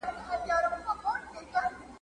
پوهېدی چي نور د نوي کور مقیم سو ..